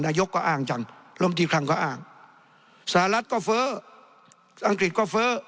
นายกก็อ้างจังลมตรีคลังก็อ้างสหรัฐก็เฟ้ออังกฤษก็เฟ้อ